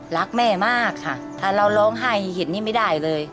รักแม่มากค่ะถ้าเราร้องไห้เห็นนี่ไม่ได้เลย